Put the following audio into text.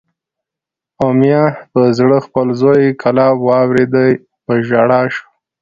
د امیة پر زړه خپل زوی کلاب واورېدی، په ژړا شو